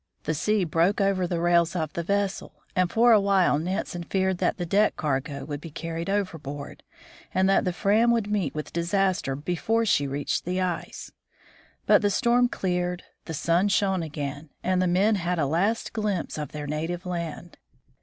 The sea broke over the rails of the vessel, and for a while Nansen feared that the deck cargo would be The Launching of the " Fram." carried overboard, and that the Fram would meet with disaster before she reached the ice. But the storm cleared, the sun shone again, and the men had a last glimpse of their native land.